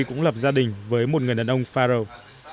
cũng lập gia đình với một người đàn ông farrow